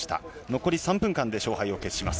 残り３分間で勝敗を決します。